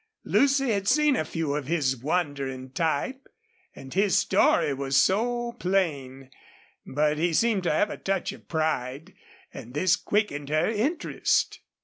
Lucy had seen a few of his wandering type, and his story was so plain. But he seemed to have a touch of pride, and this quickened her interest.